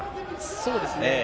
そうですね。